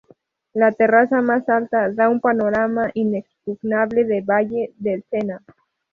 La terraza más alta da un panorama inexpugnable del valle del Sena.